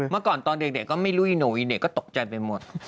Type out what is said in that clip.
เมื่อก่อนตอนเด็กก็ไม่รู้อีโนอีเน่ก็ตกใจไปหมด